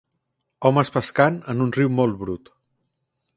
Homes pescant en un riu molt brut.